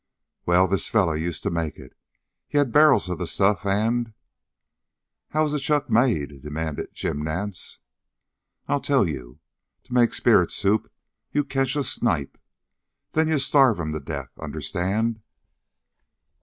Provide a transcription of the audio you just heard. "Well, this fellow used to make it. He had barrels of the stuff, and " "How is the chuck made?" demanded Jim Nance. "I'll tell you. To make spirit soup you catch a snipe. Then you starve him to death. Understand?"